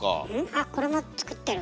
あっこれも作ってる。